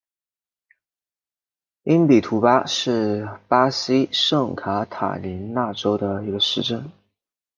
因比图巴是巴西圣卡塔琳娜州的一个市镇。